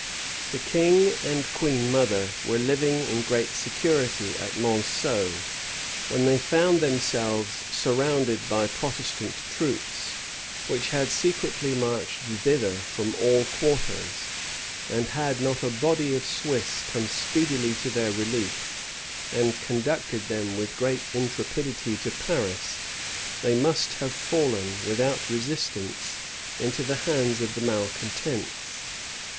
The king and queen mother were living in great security at Monceaux, in Brie, when they found themselves surrounded by Protestant troops, which had secretly marched thither from all quarters; and had not a body of Swiss come speedily to their relief, and conducted them with great intrepidity to Paris, they must have fallen, without resistance, into the hands of the malecontents.